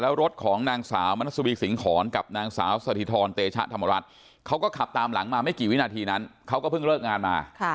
แล้วรถของนางสาวมนัสวีสิงหอนกับนางสาวสถิธรเตชะธรรมรัฐเขาก็ขับตามหลังมาไม่กี่วินาทีนั้นเขาก็เพิ่งเลิกงานมา